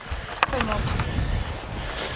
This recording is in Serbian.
То је могуће.